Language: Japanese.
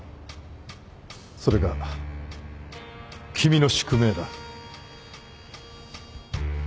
それが君の宿命だ